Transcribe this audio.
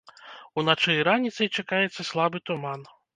Уначы і раніцай чакаецца слабы туман.